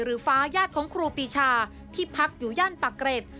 หรือฟ้ายาดของครูปีชาที่พักอยู่ย่านปะกรเกรต